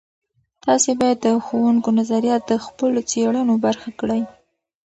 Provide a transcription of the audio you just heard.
تاسې باید د ښوونکو نظریات د خپلو څیړنو برخه کړئ.